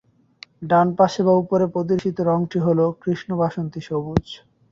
ডানপাশে বা উপরে প্রদর্শিত রঙটি হলো কৃষ্ণ বাসন্তী সবুজ।